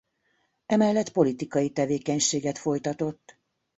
Emellett politikai tevékenységet folytatott.